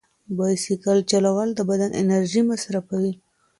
بایسکل چلول د بدن انرژي مصرفوي.